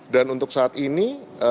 dan untuk saat ini